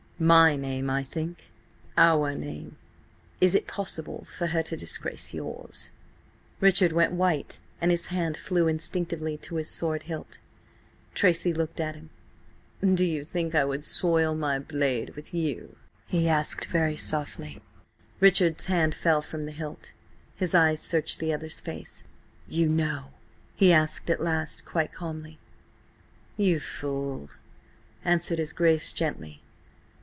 "My name, I think." "Our name! Is it possible for her to disgrace yours?" Richard went white and his hand flew instinctively to his sword hilt. Tracy looked at him. "Do you think I would soil my blade with you?" he asked, very softly. Richard's hand fell from the hilt: his eyes searched the other's face. "You know?" he asked at last, quite calmly. "You fool," answered his Grace gently.